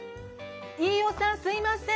飯尾さんすいません。